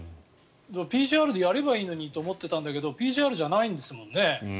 ＰＣＲでやればいいのにと思っていたんだけどＰＣＲじゃないんですもんね。